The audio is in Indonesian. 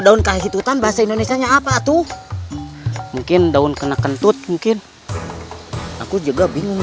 daun kahitutan bahasa indonesia nya apa tuh mungkin daun kena kentut mungkin aku juga bingung